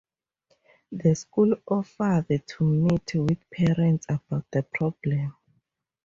The school offered to meet with parents about the problem.